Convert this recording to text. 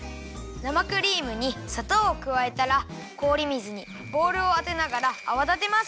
生クリームにさとうをくわえたらこおり水にボウルをあてながらあわだてます。